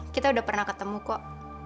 kita udah pernah ketemu kok